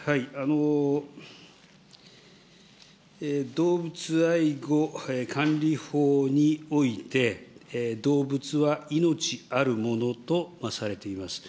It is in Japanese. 動物愛護管理法において、動物は命あるものとされています。